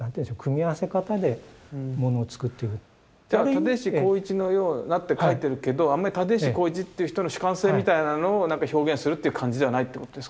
「立石紘一のような」って描いてるけどあんまり立石紘一っていう人の主観性みたいなのを表現するっていう感じではないってことですか？